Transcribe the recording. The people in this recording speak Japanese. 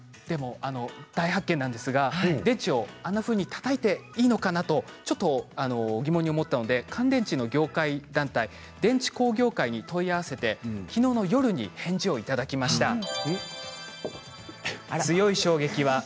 大発見なんですが電池をあんなふうにたたいていいのかなとちょっと疑問に思ったので乾電池の業界団体電池工業会に、問い合わせてきのうの夜に返事をいただきました。